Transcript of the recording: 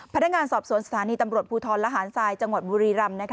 พนักงานสอบสวนสถานีตำรวจภูทรละหารทรายจังหวัดบุรีรำ